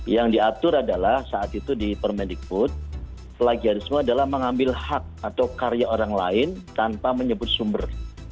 yang diatur adalah saat itu di permendikbud plagiarisme adalah mengambil hak atau karya orang lain tanpa menyebut sumber